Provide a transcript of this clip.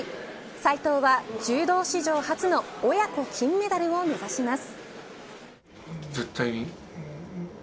斉藤は、柔道史上初の親子金メダルを目指します。